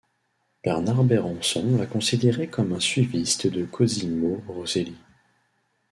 Bernard Berenson l'a considéré comme un suiviste de Cosimo Rosselli.